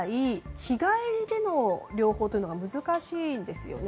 日帰りでの療法が難しいんですよね。